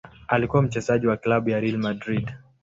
Alikuwa mchezaji wa klabu ya Real Madrid.